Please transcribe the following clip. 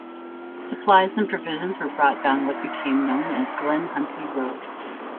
Supplies and provisions were brought down what became known as Glen Huntly Road.